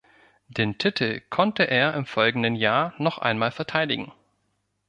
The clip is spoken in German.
Den Titel konnte er im folgenden Jahr noch einmal verteidigen.